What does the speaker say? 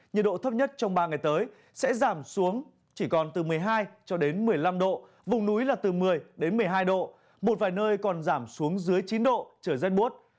nhiệt độ thấp nhất trong ba ngày tới sẽ giảm xuống chỉ còn từ một mươi hai một mươi năm độ vùng núi là từ một mươi đến một mươi hai độ một vài nơi còn giảm xuống dưới chín độ trời rét bút